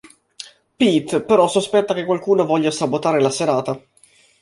Pete però sospetta che qualcuno voglia sabotare la serata.